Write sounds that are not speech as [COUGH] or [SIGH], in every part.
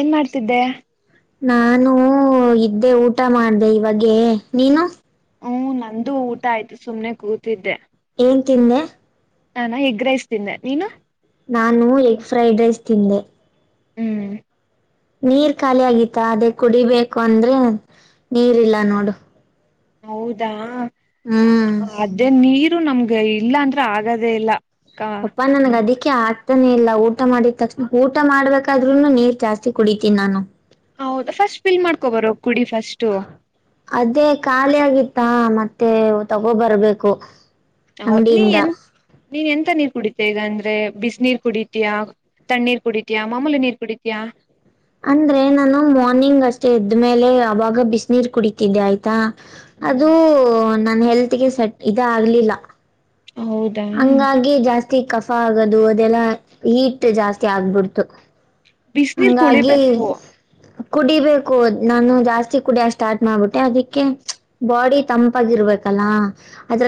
ಏನ್ ಮಾಡ್ತಿದ್ದೆ ನಾನು ಇದ್ದೆ ಊಟ ಮಾಡ್ದೆ ಇವಾಗೇ ನೀನು ಹು ನಂದು ಊಟ ಆಯ್ತು ಸುಮ್ಮನೆ ಕೂತಿದ್ದೆ ಹುಂತಿಣ್ಣ ನಾ ನಾ ಎಗ್ಗ್ ರೈಸ್ ತಿಂದೇ ನೀನು ನಾನು ಎಗ್ ಫ್ರೈಡ್ ರೈಸ್ ತಿಂದೆ ಹ್ಮ್ ನೀರ್ ಖಾಲಿ ಆಗಿತ್ತ ಅದೇ ಕುಡಿಬೇಕು ಅಂದ್ರೆ ನೀರು ಇಲ್ಲ ನೋಡು ಹೌದಾ ಹ್ಮ್ ಅದೇ ನೀ ರು ನಮ್ಗೆ ಇಲ್ಲಾ ಅಂದ್ರೆ ಆಗದೇ ಇಲ್ಲ ಕ ಪಪ್ಪಾ ನನ್ಗ ಅದಕ್ಕೆ ಆ ತನೇ ಇಲ್ಲ ಊಟ ಮಾಡಿದ ತಕ್ಷಣ ಊಟ ಮಾಡ್ಬೇಕಾದ್ರುನು ನೀರ್ ಜಾಸ್ತಿ ಕುಡಿತೀನಿ ನಾನು ಹೌದ ಫಸ್ಟ್ ಬಿಲ್ ಮಾಡ್ಕೋಬರೋ ಕುಡಿ ಫಸ್ಟ್ ಅದೇ ಖಾಲಿ ಆಗಿತ್ತಾ ಮತ್ತೆ ತಗೋ ಬರರ್ಬೇಕು ಹೌದ ನೀ ಎ ನೀನ್ ಎಂತ ನಿರ್ ಕುಡಿತ ಈಗ ಅಂದ್ರೆ ಬಿಸ ನೀರ್ ಕುಡಿತಿಯ ತಣ್ಣೀರ್ ಕುಡಿತಿಯಾ ಮಾಮೂಲಿ ನೀರ್ ಕುಡಿತೀ ಅಂದ್ರೆ ನಾನು ಮಾರ್ನಿಂಗ್ ಅಷ್ಟೇ ಎದ್ದ್ಮೇಲೆ ಅವಾಗ ಬಿಸಿ ನೀರ್ ಕುಡಿತಿದ್ದೆ ಆಯ್ತಾ ಅದು ನ ನೈಟ್ ಗೆ ಸೆಟ್ ಇದ ಆಗ್ಲಿಲ್ಲ ಹೌದಾ ಹಂಗಾಗಿ ಜಾಸ್ತಿ ಕಫ ಆಗದು ಅದೆಲ್ಲಾ ಹೀಟ್ ಜಾಸ್ತಿ ಆಗ್ಬಿಡ್ತು ಬಿಸ ನೀರ್ ಹಂಗಾಗಿ ಕುಳಿಬೇಕು ಕುಡಿಬೇಕು ನಾನು ಜಾಸ್ತಿ ಕುಡಿಯ ಸ್ಟಾರ್ಟ್ ಮಾಡ್ಬಿಟ್ಟೆ ಅದಕ್ಕೆ ಬಾಡಿ ತಂಪಾಗಿರಬೇಕು ಲ್ಲಾ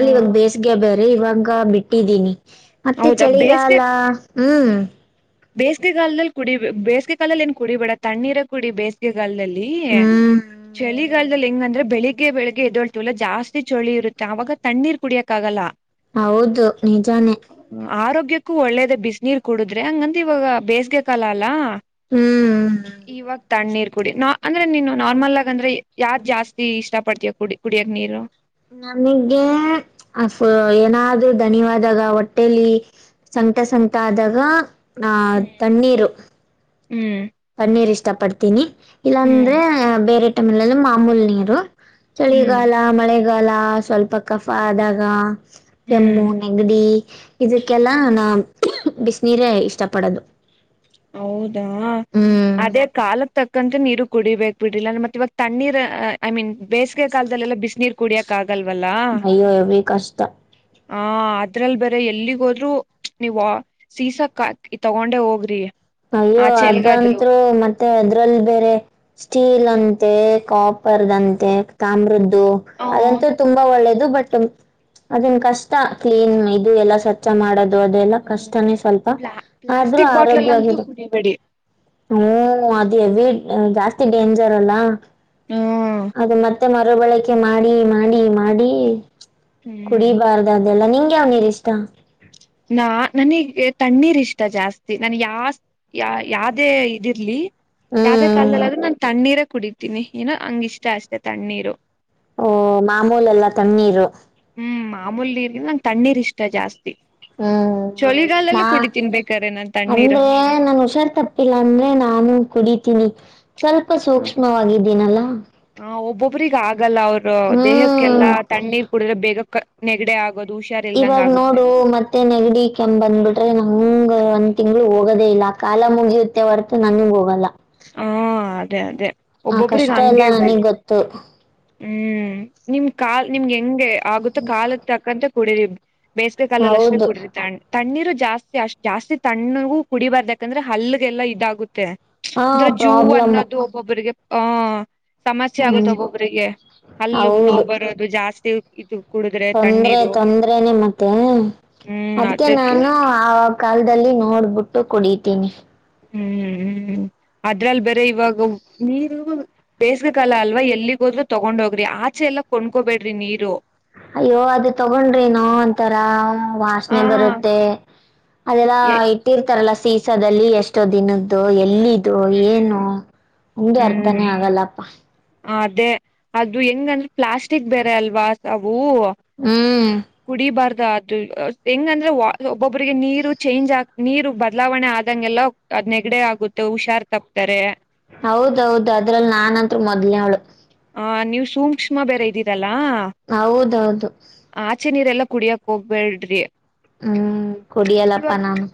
ಹ ಇ ಬೇಸಗೆ ಬೇ ರ ಬ [UNINTELLIGIBLE] ಕ ಬಿಟ್ಟಿದ್ದೀನಿ ಮತ್ತೆ ಹೌದಾ ಚಳಿಗಾಲ ಹ್ಮಞ ಬೇಸಿಗೆ ಕಾಲದಲ್ಲಿ ಕುಡಿ ಬೇಸಿಗೆ ಕಾಲ್ಲಿ ಏನ್ ಕುಡಿಬೇಡ ತಣ್ಣೀರ ಕುಡಿ ಬೇಸಿಗೆ ಹೊಲದಲ್ಲಿ ಹ್ಮ್ ಚಳಿ ಈಳಗಾಲದಲ್ಲಿ ಹೆಂಗಂದ್ರೆ ಬೆಳಿಗ್ಗೆ ಬೆಳಗ್ಗೆದ್ದೋಳ್ತೀವಲ್ಲ ಜಾಸ್ತಿ ಚಳಿ ಇರುತ್ತೆ ಆವಾಗ ತಣ್ಣೀರ್ ಕುಡಿಯಕ್ಕಾಗಲ್ಲ ಹೌದು ನಿಜಾನೇ ಆರೋಗ್ಯಕೂ ಒಳ್ಳೇದೆ ಬಿಸಿ ನೀರು ಕುಡುದ್ರೆ ಇವಾಗ ಬೇಸ್ಗೆ ಕಾಲ ಅಲ್ಲಾ ಹ್ಮ್ ಇವತ್ತು ತಣ್ಣೀರ್ ಕುಡಿ ನ ಅಂದ್ರೆ ನೀನು ನಾರ್ಮಲ್ ಆಗ ಅಂದ್ರೆ ಯಾವ್ದ್ ಜಾಸ್ತಿ ಇಷ್ಟ ಪಡ್ತೀವ ಕುಡಿ ಕುಡಿಯಕ್ ನೀರು ನಮಗೆ ಅ ಏನಾದರು ಧನ್ಯವಾದಾಗ ಹೊಟ್ಟೇಲಿ ಸಂಕಟ ಸಂಕಟ ಆದಾಗ ಹ ತಣ್ಣೀರು ಹ್ಮ್ ಪನ್ನೀರ್ ಇಷ್ಟ ಪಡ್ತೀನಿ ಇಲ್ಲಾಂದ್ರೆ ಹ್ಮ್ ಬೇರೆ ಮೇಲೆಲ್ಲಿ ಮಾಮೂಲ್ ನೀರು ಹ್ಮ್ ಚಳಿಗಾಲ ಮಳೆ ಆಗಲ್ಲ ಸ್ವಲ್ಪ ಕಫ ಆದಾಗ ಜಮ್ಮು ಹ್ಮ್ ನಗರಿ ಇದಕ್ಕೆಲ್ಲ ನ ಬಿಸಿನೀರ ಇಷ್ಟ ಪಡದು. ಹೌದಾ. ಅದೇ ಕಾಲಕ್ಕೆ ತಕ್ಕಂತ ನೀ. ಕುಡಿಬೇಕೇಕ್ ಬಿಟ್ಟಿಲ್ಲ ಮತ್ತ ಇವಾಗ ತಣ್ಣೀರ್ ಐ ಮೀನ್. ಬೇಸಿಗೆ ಕಾಲದಲ್ಲಿಲ್ಲ ಬಿಸಿನ ನೀರು ಕುಡಿಯಕ್ಕೆ. ನಯ್ಯೋ ಎ ಭ ಕಷ್ಟ. ಹ [UNINTELLIGIBLE] ಅದ್ರಲ್ ಬೇರೆ ಎಲ್ಲಿಗೋದ್ರು ನೀವು ಸೀಸ ಕ ತಗೊಂಡೆ ಹೋಗ್ರಿ. ಅಯ್ಯೋ ಆಚೆ ಎಲ್ಗಾದ್ರು ಅದಂತರು ಮತ್ತೆ ಅದ್ರಲ್ಲಿ ಬೇರೆ ಸ್ಟೀಲ್ ಅಂತ. ಕಾಪರ್ದಂತೆ ತಾಮ್ರದ್ದ. ಹ ಅದಂತೂ ತುಂಬಾ ಒಳ್ಳೇದು. ಬಟ್ ಅದನ್ ಕಷ್ಟ ಕ್ಲೀನ್ ಇದು ಎಲ್ಲ ಸ್ವಚ್ಛ ಮಾಡದು. ದು ಅದೆಲ್ಲ ಕಷ್ಟನೇ ಸ್ವಲ್ಪ ಪ್ಲಾ ಆದ್ರೂ ಪ್ಲಾಸ್ಟಿಕ್ ಬಾಟ್ಲಲ್ ಆರೋಗ್ಯವಾಗಿ. ಅಂತೂ ಕುಡಿಬೇಡಿ ಹ್ಮ ಅದೇ. ವೀಟ್ ಜಾಸ್ತಿ ಡೇಂಜರ್ ಅಲ್ಲಾ. ಹ್ಮ್ ಅದೇ ಮತ್ತೆ. ಮತ್ತೆ ಮರುಬಳಕೆ ಮಾಡಿ ಮಾಡಿ ಮಾಡಿ. ಹ್ಮ್ ಕುಡಿಬಾರ್ದ ಅದೆಲ್ಲ ನೀವು. ಹಿ ರಿಷ್ಟತ. ನಾ ನನಗೆ ತಣ್ಣೀರ್ ಇಷ್ಟ ಜಾಸ್ತಿ ನನ್ ಯ ಯ ಯಾವ್ದೇ ಇದಿರ್ಲಿ. ಯಾವ್ದೇ ಹ್ಮ್ ಕಾಲಲ್ದಲ್ಲಾದ್ರೂ ನಾನ್ ತಣ್ಣೀರ. ಕುಡಿತೀನಿ ಏನೋ ಹಂಗ ಇಷ್ಟ ಅಷ್ಟೇ ತಣ್ಣೀರು ಓ ಮಾಮೂಲೆ ಎಲ್ಲ ತಣ್ಣೀರು. ಹ್ಮ್ ಮಾಮೂಲಿ ನೀರ್ಗ ನಂಗೆ ತಣ್ಣೀರ್ ಇಷ್ಟ ಜಾಸ್ತಿ. ಹ್ಮ್ ನಾ ಚಳಿಗಾಲಲ್ಲೂ ಕುಡಿತೀನ್ ಬೇಕಾರೆ ನಾನ್ ತಣ್ಣೀರು ಅಂದ್ರೆ ನನ್ ಹುಷಾರ್ ತಪ್ಪಿಲ್ಲ ಅಂದ್ರೆ ನಾನು ಕುಡ. ತಿನ್ನಿ. ಸ್ವಲ್ಪ ಹ್ಮ ಸೂಕ್ಷ್ಮವಾಗಿದ್ದೀನಲ್ಲ. ರಿಗಾ. ಹಾಗಗಲ್ಲ ಅವರು ಹ್ಮ್ ದೇಹಕ್ಕೆಲ್ಲಾ ತಣ್ಣೀರ್ ಕುಡಿದ್ರೆ ಬೇಗ. ನೆಗಡೆ ಆಗೋದ್ ಇವಾಗ ನೋಡು ಮತ್ತೆ ನೆಗಡಿ ಕೆಮ ಬಂದ್ಬಿಟ್ರೆ. ಹಂಗ ಒಂದ್ ತಿಂಗ್ಗಳು ಹೋಗೋದೇ ಇಲ್ಲ ಕಾಲ ಮುಗಿಯುತ್ತೆ ಹೊರತು ನನ್ಗ್ ಹೋಗಲ್ಲ. ಹಾ ಅದೇ ಅದೇ. ಆ ಒಬ್ಬೊಬ್ರಗ್ ಕಷ್ಟ ಹಂಗೆ ಎಲ್ಲಾ ಬಿಡ್ ನನಗ್ ಗೊತ್ತು. ಹ್ಮ್ ನಿಮ್ ಕಾಲ್ ನಿಮ್ಗೆಂಗೆ ಆಗುತ್ತೆ ಕಾಲ ತಕ್ಕಂತೆ ಕೂಡೆ ಬೇಸಿಗೆ ಕಾಲಲ್ಲಿ ಅಷ್ಟೇ ಹೌದು ಕುಡ್ರರಿ ತ ತಣ್ಣೀರು ಜಾಸ್ತಿ ಅಷ್ಟ ಜಾಸ್ತಿ ತಣ್ಣಗೂ ಕುಡಿಬಾರ್ದ ಯಕಂದ್ರೆ ಹಲ್ಗೆಲ್ಲ ಇದಾಗುತ್ತೆ. ಹಾ ಅಂದ್ರೆ ಜೂ ಪ್ರಾಬ್ಲಮ್ ಅನ್ನೋದು ಒಬ್ಬೊಬ್ಬರಿಗೆ ಹಾ ಸಮಸ್ಯೆ ಆಗುತ್ತ ಹ್ಮ್ ಒಬ್ಬೊಬರಿಗೆ ಹಲ್ಲ ನೋವು ಹೌದು ಬರೋದು ಜಾಸ್ [INAUDIBLE] ತೊಂದ್ರೆ ತೊಂದ್ರೆನೆ ಮತ್ತೆ ಹ್ಮ್ ಅದ್ಕೆ ಅದಕ್ಕೆ ನಾನು ಆ ಕಲ್ದಲ್ಲಿ ನೋಡ್ಬಿಟ್ಟು ಕುಡಿತೀನಿ ಹ್ಮ್ ಹ್ಮ್ ಅದ್ರಲ್ಲಿ ಬೇರೆ ಇವಾಗ ನೀರು ಬೇಸಗೆಗಾಲ ಅಲ್ವಾ ಎಲ್ಲಿಗ ಹೋದ್ರೂ ತಗೊಂಡ್ ಹೋಗ್ರಿ ಆಚೆ ಎಲ್ಲ ಕೊಂಡ್ಕೊಬೇಡ್ರಿ ನೀರು. ಅಯ್ಯೋ ಅದು ತಗೊಂಡ್ರನೋ ಅಂತಾರ ವಾಸನೆ ಹ್ಮ್ ಬರುತ್ತೆ ಅದೆಲ್ಲಾ ಇಟ್ಟಿರ್ತಾರಲ್ಲ. ಸೀಸಾದಲ್ಲಿ ಎಷ್ಟೋ ದಿನದ್ದು ಎಲ್ಲಿ ಇದು ಏನು ಒಂದು ಹ್ಮ್ ಅರ್ಥನೇ ಆಗಲ್ಲಪ್ಪ. ಅದೇ ಅದು ಹೆಂಗಂದ್ರೆ ಪ್ಲಾಸ್ಟಿಕ್ ಬೇರೆ ಅಲ್ವಾ [INAUDIBLE] ಊ ಹ್ಮ್ ಕುಡಿಬಾರ್ದ ಅ ಹೆಂಗಂದ್ರೆ ಒಬ್ಬೊಬ್ರಿಗೆ ನೀರು ಚೇಂಜ್ ಆ ನೀರು ಬದಲಾವಣೆ ಆದಂಗೆಲ್ಲ ಅದ್ ನೆಗಡೆ ಆಗುತ್ತೆ ಹುಷಾರ್ ತಪ್ತಾರೆ. ಹೌದೌದು ಅದ್ರಲ್ಲಿ ನಾನಂತ್ರು ಮೊದ್ನವಳು. ಹ ನೀವು ಸೂ ಸೂಕ್ಷ್ಮ ಬೇರೆ ಇದ್ದೀರಲ್ಲ ಹೌದೌದು ಆಚೆ ನೀರೆಲ್ಲ ಕುಡಿಯಕ್ ಹೋಗ್ಬೇಡ್ರಿ ಹ್ಮ್ ಕುಡಿಯಲಪ್ಪ ಇವಾಗ ನಾನು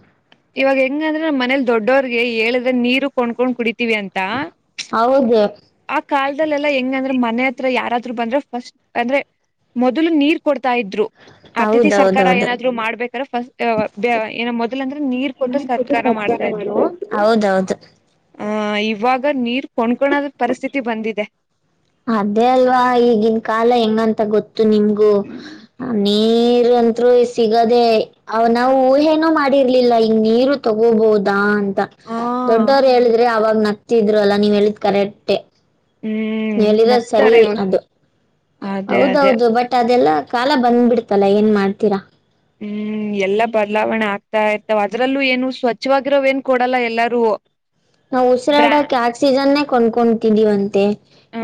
ಇವಾಗ ಹೆಂಗಂದ್ರೆ ನಮ್ಮ ಮನೇಲಿ ದೊಡ್ಡೋರ್ಗೆ ಹೇಳಿದ್ರೆ ನೀರು ಕೊಂಡ್ಕೊಂಡ್ ಕುಡಿತ ತಿವಿ ಅಂತ ಹೌದು ಆ ಕಾಲ್ದ ಕೇಂದ್ರೇ ಮನೆ ಹತ್ರ ಯಾರಾದ್ರು ಬಂದ್ರೆ ಫಸ್ಟ್ ಅಂದ್ರೆ ಮೊದಲು ನೀರ್ ಕೊಡ್ ತಾ ಇದ್ರು ಅತಿಥಿ ಸತ್ಕಾರ ಹೌದೌದೌದು ಏನಾದ್ರು ಮಾಡ್ಬೇಕಾರೆ ಫಸ್ಟ್ ಏನ ಮೊದಲ ಅಂದ್ರೆ ನೀರ್ ಕೊಟ್ಟ ಸತ್ಕಾರ ಮಾಡ್ತಾ ಇದ್ರು ಆಹ ಇವಾಗ ನೀರ್ ಕೊಂಡ್ಕೋಣದ ಪರಿಸ್ಥಿ ತಿ ಬಂದಿದೆ. ಅದೇ ಅಲ್ವಾ ಈಗಿನ್ ಕಾಲ ಹೆಂಗಂತ ಗೊತ್ ತ್ತು ನಿಮಗು ನಮ್ ನೀ ನೀರಂತ್ರು ಸಿಗದೆ ಅವ ನಾವು ಊಹೇನೋ ಮಾಡಿರ್ಲಿಲ್ಲ ಹಿಂಗ ನೀರು ತಗೋಬಹದಾ ಅನ್ ದೊಡ್ಡವ್ರು ಹೇಳಿದ್ರೆ ಅವಾಗ ನಾ ತ್ತಿದ್ರಲ್ಲ ನೀವ್ ಹೇಳಿದ್ ಕರೆಕ್ಟೇ ಹ್ಮ್ ಹೇಳಿರೋ ಸರಿ ನಗ್ತಾರೆ ಇವಾಗ ಅದು ಅದೇ ಅದೇ ಹೌದೌದು ಬಟ್ ಅದೆಲ್ಲ ಕಾಲ ಬಂದ್ಬಿಡ್ತಲ್ಲ ಏನ್ ಮಾಡ್ತೀರಾ? ಹ್ಮ್ ಎಲ್ಲಾ ಬದಲಾವಣೆ ಆಗ್ತಾ ಇರ್ತವ ಅದ್ರಲ್ಲೂ ಏನು ಸ್ವಚ್ಛವಾಗಿರೋವ್ ಏನ್ ಕೊಡಲ್ಲ ಎಲ್ಲಾರೂ. ನಾವ್ ಉಸಿರಾಡಕ್ ಆಕ್ಸಿಜನ್ನೇ ಕೊಂಡ ಕೊಂತಿದೀವಂತೆ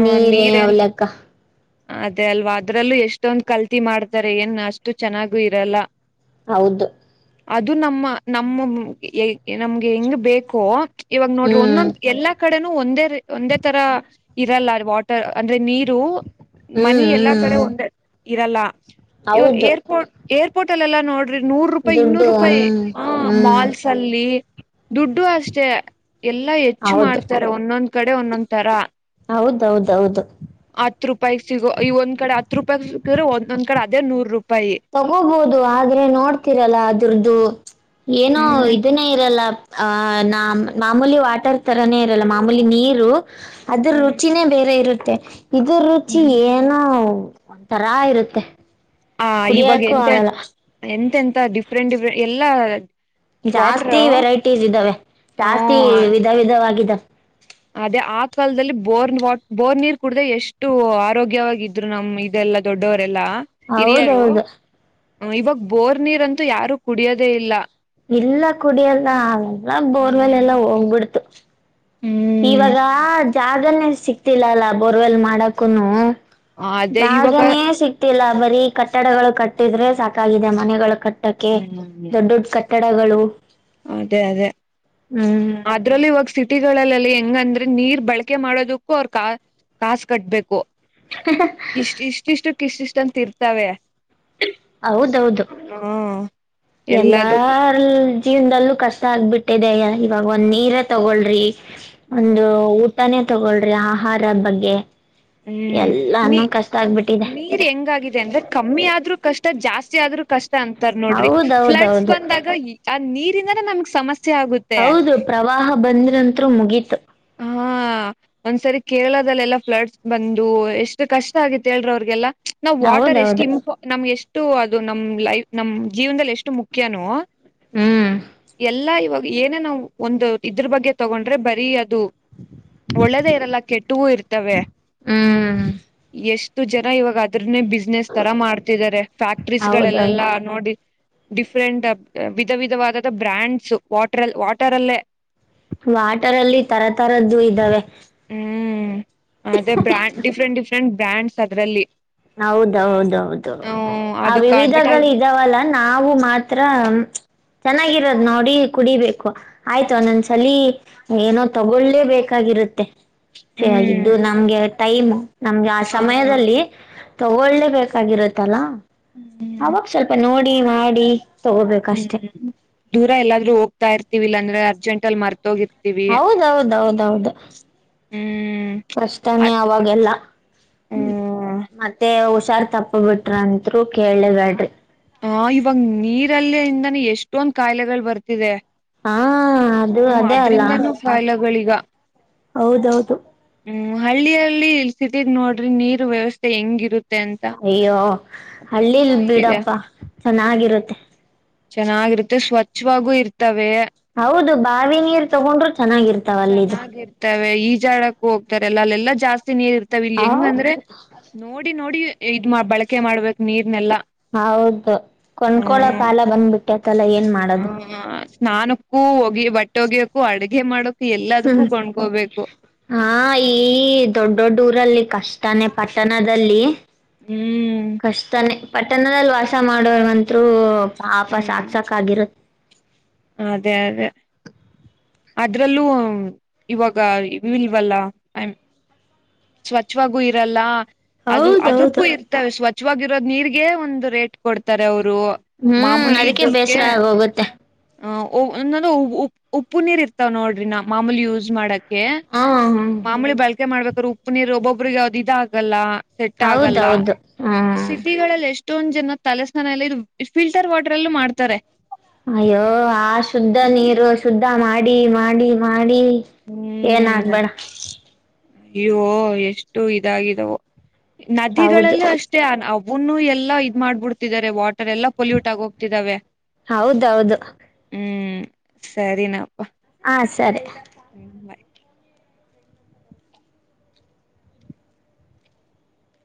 ನೀರೇ ನೀರ್ ಏನ್ ಅವ್ಲಕ್ಕ ಅದೇ ಅಲ್ವಾ ಅದ್ರಲ್ಲೂ ಎಷ್ಟೊಂದ್ ಕಲ್ತಿ ಮಾಡ್ತಾರೆ ಏನ್ ಅಷ್ಟು ಚೆನ್ನಾಗು ಇರಲ್ಲ. ಹೌದು ಅದು ನಮ್ಮ ನಮ್ಮ ನಮ್ಗೆ ಹೆಂಗ್ ಬೇಕೋ ಇವಾಗ ನೋಡ್ರಿ ಹ್ಮ್ ಒಂದೊಂದ್ ಎಲ್ಲಾ ಕಡೆನ್ ಒಂದೇ ಒಂದೇ ತರ ಇರಲ್ಲ ವಾಟರ್ ಅಂದ್ರೆ ನೀರು ಮನಿ ಹ್ಮ್ ಎಲ್ಲಾ ಹ್ಮ್ ಕಡೆ ಹ್ಮ್ ಒಂದೇ. ಇರಲ್ಲ ಇವಾಗ್ ಹೌದು ಏರ್ಪೋರ್ಟ್ ಏರ್ ಪೋಟಲೆಲ್ಲ ನೋಡ್ ನೂರು ರೂಪಾಯಿ ಇನ್ನೂರು ದುಡ್ಡು ರೂಪಾಯಿ ಹ್ಮ್ ಆ ಹ್ಮ್ ಮಾಲ್ಸ್ ಅಲ್ಲಿ ದುಡ್ಡು ಅಷ್ಟೆ ಎಲ್ಲಾ ಹೆಚ್ಚು ಹೌದು ಮಾಡ್ತಾರೆ ಒನ್ನೊಂದ್ ಕಡೆ ಒನ್ನೋಂತರ. ಹೌದೌದೌದು ಹತ್ ರೂಪಾಯಿ ಸಿಗೋ ಈ ಒಂದ್ ಕಡೆ ಹತ್ತ್ ರೂಪಾಯಿಗ್ ಸಿಕ್ಕಿದ್ರೆ ಒನ್ನೊಂದ್ ಕಡೆ ಅದೇ ನೂರು ರೂ ತಗೋಬೋದು ಆದ್ರೆ ನೋಡ್ತಿರಲ್ಲ ಅದ್ರುದ್ದು ಏನೋ ಹ್ಮ್ ಇದನ್ನೇ ಇರಲ್ಲ. ಆಹ ನಾಮ್ ಮಾಮೂಲಿ ವಾಟರ್ ತರಾನೇ ಇರಲ್ಲ ಮಾಮೂಲಿ ನೀರು ಅದ್ರ ರುಚಿನೇ ಬೇರೆ ಇರು ತ್ತೆ ಇದು ರುಚಿ ಹ್ಮ್ ಏನೋ ಒಂಥರಾ ಇರುತ್ತೆ. ಹ ಇವಾಗ ಕುಡಿಯಕ್ಕೂ ಎಂತೆ ಆಗಲ್ಲ ಎಂತೆ ಡಿಫ್ರೆಂಟ್ ಡಿಫ್ರೆಂಟ್ ಎಲ್ಲ ಜಾಸ್ತಿ ವೆರೈಟೀಸ್ ಇದ್ದಾವೆ ಜಾಸ್ತಿ ವಿಧ ವಿಧವಾಗಿದ್ದಾವ ಅದೇ ಆ ಕಾಲದಲ್ಲಿ ಬೋರ್ ವಾ ಬೋರ್ ನೀರ್ ಕುಡ್ದ ಎಷ್ಟು ಆರೋಗ್ಯವಾಗಿದ್ರು ನಮ್ ಇದೆಲ್ಲಾ ದೊಡ್ಡವ ಲ್ಲಾ ಹಿರಿಯಾರು ಹೌದೌದು ಹ ಇವಾಗ ಬೋರ್ ನೀರ್ ಅಂತೂ ಯಾರು ಕುಡಿಯೋದೇ ಇಲ್ಲ ಇಲ್ಲ ಕುಡಿಯ ಎಲ್ಲ ಅವೆಲ್ಲ ಬೋರ್ ಮೇಲೆ ಎಲ್ಲಾ ಹ್ಮ್ ಹೋಗ್ಬಿಡ್ತು ಹ್ಮ್ ಇವಾಗ ಜಾಗನೇ ಸಿಕ್ತಿಲ್ಲ ಅಲ್ಲ ಬೋರ್ವೆಲ್ ಮಾಡಕೂ ಅದೇ ಇವಾಗ ಯಾಗನ ಸಿ [UNINTELLIGIBLE] [UNINTELLIGIBLE] ಲ್ಲ ಬರೀ ಕಟ್ಟಡಗಳು ಕಟ್ಟಿದ್ರೆ ಸಾಕಾಗಿದೆ ಮನೆಗಳು ಕಟ್ಟ ಕಟ್ಟಕೆ ದೊಡ್ಡ ದೊಡ್ಡ ಕಟ್ಟ ಕತ್ತಡಗಳು ಅದೇ ಅದೇ ಅದ್ರಲ್ಲಿ ಇವಾಗ ಸಿ ಹಟ್ಟಿಲ್ಲೆಲ್ಲಿ ಹೆಂಗಂದ್ರೆ ನೀರ್ ಬಳಕೆ ಮಾಡೋದಕ್ಕೂ ಅವ್ರ ಕಾ ಕಾಸು ಕಟ್ಬೇಕು ಇಷ್ಟ ಇಷ್ಟಿಷ್ಟ ಇಷ್ಟ ಇಷ್ಟಂತ ತ ಇರ್ತವೆ ಹೌದು ಹೌದು ಎನ್ನಾ ಎಲ್ಲದಕ್ಕೂ ಜೀವನದಲ್ಲೂ ಕಷ್ಟ ಆಗ್ಬಿಟ್ಟಿದೆ ಇವಾಗ ಒಂದ್ ನೀರ ತಗೊಳ್ರಿ ಹ್ಮ್ ಒಂದು ತಾನೇ ತಗೊಳ್ರಿ ಆಹಾರ ಬಗ್ಗೆ ಹ್ಮ್ ನೀ ಎಲ್ಲಾನು ಕಷ್ಟ ಆಗ್ಬಿಟ್ಟಿದೆ ನೀರ್ ಹೆಂಗಾಗಿದೆ ಅಂದ್ರೆ ಕಮ್ಮಿ ಆದ್ರು ಕಷ್ಟ ಜಾಸ್ತಿ ಆದ್ರೂ ಕಷ್ಟ ಅಂತಾರ ನೋಡ್ರಿ ಫ್ಲಡ್ಸ್ ಹೌದೌದೌದು ಬಂದಾಗ ಆ ನೀರ್ ಇದರಿಂದನಾ ನಮ್ಮ ಸಮಸ್ಯೆ ಆಗುತ್ತೆ ಹೌದು ಪ್ರವಾಹ ಬಂದ್ ನಂತ್ರ ಮುಗೀತು ಹಾ ಒಂದ್ಸರಿ ಕೇರಳದಲ್ಲೆಲ್ಲ ಫ್ಲಡ್ಸ್ ಬಂದು ಎಷ್ಟ ಕಷ್ಟ ಆಗಿತ್ತ ಹೇಳ್ರಿ ಅವ್ರಿಗೆಲ್ಲ ನಾವ್ ವಾಟರ್ ಎಷ್ಟ ಹೌದೌದು ನಮ್ಗೆ ಎಷ್ಟ ಅಷ್ಟು ಅದು ನಮ್ ಲೈಫ್ ನಮ್ ಜೀವನದಲ್ಲಿ ಎಷ್ಟು ಮುಖ್ಯನು ಹ್ಮ್ ಎಲ್ಲಾ ಇವಾಗ ಏನೇ ನಾವವು ಒಂದು ಇದ್ರ ಬಗ್ಗೆ ತಗೊಂಡ್ರೆ ಬರೀ ಅ ದು ಒಳ್ಳೆದೇ ಇರಲ್ಲ ಕೆಟ್ಟವೂ ಇರ್ತವೆ ಹ್ಮ್ ಎಷ್ಟು ಜನ ಇವಾಗಾದ್ರ್ ಬಿಸ್ನೆಸ್ ತರ ಮಾಡ್ತಿದ್ದಾರೆ ಫ್ಯಾಕ್ಟ್ರೀಸ್ ಹೌದೌದು ಗಳಲ್ಲೆಲ್ಲಾ ನೋಡಿ ಡಿಫ್ರೆಂಟ್ ವಿಧ ವಿಧವಾದ ಬ್ರ್ಯಾಂಡ್ಸ್ ವಾಟ್ರ ವಾಟರ್ ಅಲ್ಲೇ ವಾಟರ್ ಅಲ್ಲಿ ತರತರದ್ದು ಇದ್ದಾವೆ ಹ್ಮ್ ಅದೇ ಬ್ರ್ಯಾಂಡ್ ಡಿಫ್ರೆಂಟ್ ನ್ಟ್ ಬ್ರ್ಯಾಂಡ್ಸ್ ಅದ್ರಲ್ಲಿ ಹೌದೌದೌದು ಹ್ಮ್ ಆ ಅದಕ್ ವಿವಿಧಗಳು ಅಡ್ವರ್ಟೈಸ್ ಇದಾವಲ್ಲ ನಾವು ಮಾತ್ರ ಚೆನ್ನಾಗಿರೋದ್ ನೋಡಿ ಕುಡಿಬೇಕು ಆಯ್ತು ಒನ್ ನೋನ್ ಸಲಿ ಏನೋ ತಗೊಳ್ಳೇ ಬೇಕಾಗಿರುತ್ತೆ ಛೆ ಹ್ಮ್ ಇದು ನಮ್ಗೆ ಟೈಮ್ ನಮ್ಗೆ ಆ ಹ ಸಮಯದಲ್ಲಿ ತಗೊಳ್ಳೆ ಬೇಕಾಗಿರುತ್ತಲಾ ಅವಾಗ್ ಸ್ವಲ್ಪ ನೋಡ್ ನೋಡಿ ಮಾಡಿ ತಗೋಬೇಕಷ್ಟೆ ಹ್ಮ್ ದೂರ ಎಲ್ಲಾದ್ರೂ ಹೋಗ್ತಾ ಇರ್ತಿವಿ ಅರ್ಜೆಂಟ್ ಅಲ್ ಹೌದೌದೌದು ಹೌದ ಹ್ಮ್ ಅ ಕಷ್ಟನೇ ಅವಾಗೆಲ್ಲ ಹ್ಮ್ ಮತ್ತೆ ಸಾರ್ ತಪ್ಪು ಬಿಟ್ರ ಅನ್ತ್ರು ಕೇಳ್ಳೆಬ್ಯಾಡ್ರಿ ಹ ಇವಾಗ್ ನೀರಲ್ಲೆ ಇಂದಾನೆ ಎಷ್ಟೊಂದ್ ಕಾಯ್ಲೆಗಳ್ ಬರ್ತಿದೆ ಹಾ ಅದು ಹ್ಮ್ ಅದೇ ಅಲ್ಲ ಅದ್ರಿಂದಾನೂ ಕಾಯಿಲೆಗಳೀಗ ಹೌದೌದು ಹ್ಮ್ ಹಳ್ಳಿಯಲ್ಲಿ ಸಿದ್ ನೋಡ್ರಿ ನೀರ್ ವ್ಯವಸ್ಥೆ ಹೆಂಗಿರುತ್ತ ಅಯ್ಯೋ ಹಳ್ಳಿಲ್ ಇದಿದೆ ಬಿಡಪ್ಪ ಹ್ಮ್ ಚೆನ್ನಾಗಿರುತ್ತೆ ಚೆನ್ನಾಗಿರುತ್ತೆ ಸ್ವಚ್ಛವಾಗೂ ಇರ್ತವೆ ಹೌದು ಬಾವಿ ನೀರ್ ತಗೊಂಡ್ರು ಚೆನ್ನಾಗಿರ್ತಾವ ಅಲ್ಲಿದು ಚೆನ್ನಾಗಿರ್ತವೆ ಈಜಾಡಕ್ ತಾರೆ ಅಲ್ಲೆಲ್ಲ ಜಾಸ್ತಿ ನೀರ್ ಇರ್ತಾವ ಇಲ್ಲಿ ಹೆಂಗಂದ್ರೆ ನೋಡಿ ನೋಡಿ ಇದ್ ಮಾ ಬಳಕೆ ಮಾಡ್ಬೇಕ್ ನೀರ್ನೆಲ್ಲಾ ಹೌದು ಕೊಂಡ್ಕೊಳೋ ಹ್ಮ್ ಕಾಲ ಬಂದ್ಬಿಟ್ಟತಲ್ಲ ಏನ್ ಮಾಡದು ಈ ಬಟ್ಟೆ ಹೋಗಿಯಕು ಅಡ್ಗೆ ಮಾ ಹ್ಮ ಹ ಈ ದೊಡ್ ದೊಡ್ಡ ಊರಲ್ಲಿ ಕಷ್ಟನೇ ಪಟ್ಟಣದಲ್ಲಿ ಹ್ಮ್ ಕಷ್ಟಾನೇ ಪಟ್ಟಣದಲ್ಲಿ ವಾಸ ಮಾಡೋರ್ ಗಂತು ಹಾಪ ಸಾಕ್ ಹ್ಮ್ ಸಾಕ್ ಆಗಿರತ್ತ ಅದೇ ಅದೇ ಅದ್ರಲ್ಲೂ ಇವಾಗ ಇಲ್ವಲ್ಲ ಐ ಸ್ವಚ್ಛವಾಗೂ ಇರಲ್ಲ ಅದು ಅದಕ್ಕೂ ಹೌದೌದು ಇರ್ತವೆ ಸ್ವಚ್ ನಿಚ್ಚವಾಗಿರೋ ನೀರ್ಗೆ ಒಂದು ರೇಟ್ ಕೊಡ್ತಾರೆ ಅವರು ಹ್ಮ್ ಅದಕ್ಕೆ ಬೇಸರ ಆಗ ಹೋಗುತ್ತೆ ಆ ಒಂದ ಉ ಉಪ್ ಉಪ್ಪು ನೀರ್ ಇರ್ತಾವ ನೋಡ್ರಿ ನ ಮಾಮೂಲಿ ಯೂಸ್ ಮಾಡಕ್ ಕೆ ಹಾ [UNINTELLIGIBLE] ಮಾಮೂಲಿ ಬಳಕೆ ಮಾಡ್ಬೇಕು ಉಪ್ಪು ನೀರು ಒಬ್ಬೊಬ್ರಿಗೆ ಅವ್ದ ಇದ ಆಗಲ್ಲ ಸೆಟ್ ಹೌದೌದು ಹಾ [UNINTELLIGIBLE] ಇಷ್ಟೊಂದ ಜನ ತಲೆಸ್ನಾನ ಎಲ್ಲ ಇ ಫಿಲ್ಟರ್ ವಾಟರ್ ಎಲ್ಲೂ ಮಾಡ್ತಾರೆ ಅಯ್ಯೋ ಆ ಶುದ್ಧ ನೀರು ಶುದ್ಧ ಮಾಡ ಮಾಡ ಮಾಡಿ ಮಾಡಿ ಏನ್ ಹ್ಮ್ ಆಗ್ಬೇಡ ಅದೇ ಅಯ್ಯೋ ಎಷ್ಟು ಇದಾಗಿದವು ಹೌದು ನದಿಗಳಲ್ಲಿ ಅಷ್ಟೇ ಹ್ಣ ಎಲ್ಲಾ ಇದ್ ಮಾಡ್ಬಿಡ್ತಿದ್ದಾರೆ ವಾಟರ್ ಎಲ್ಲಾ ಪೊಲ್ಯೂಟ್ ಆಗ ಹೋಗ್ತಿದಾವೆ ಹೌದೌದು ಹ್ಮ್ ಸರಿನಾಪ್ಪ ಹಾ ಸರಿ ಹ್ಮ್ [UNINTELLIGIBLE] ಯ್